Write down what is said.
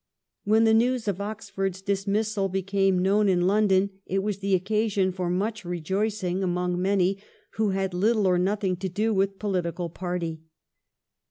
When the news of Oxford's dismissal became known in London it was the occasion for much rejoicing among many who had little or nothing to do with political party.